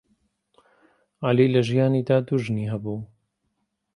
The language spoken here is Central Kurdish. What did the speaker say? عەلی لە ژیانیدا دوو ژنی هەبوو.